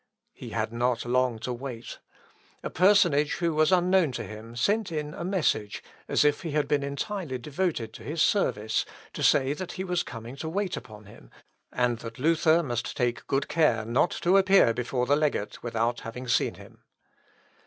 He had not long to wait. A personage who was unknown to him sent in a message, as if he had been entirely devoted to his service, to say that he was coming to wait upon him, and that Luther must take good care not to appear before the legate without having seen him.